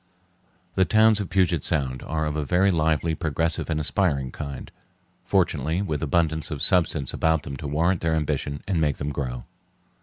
The towns of Puget Sound are of a very lively, progressive, and aspiring kind, fortunately with abundance of substance about them to warrant their ambition and make them grow.